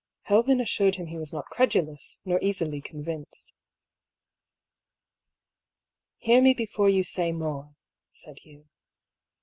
Helven assured him he was not credulous, nor easily convinced. " Hear me before you say more," said Hugh.